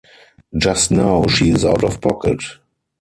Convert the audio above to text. Just now she is out of pocket.